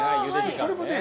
これもね